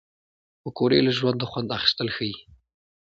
پکورې له ژونده خوند اخیستل ښيي